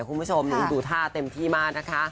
คุณผู้ชมดูท่าเต็มที่มากนะคะ